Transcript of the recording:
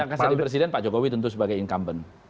yang punyakan jadi presiden pak jokowi tentu sebagai incumbent